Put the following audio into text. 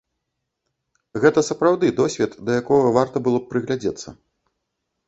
Гэта сапраўды досвед, да якога варта было б прыглядзецца.